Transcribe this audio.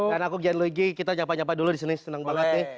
dan aku gian luigi kita nyapa nyapa dulu disini senang banget nih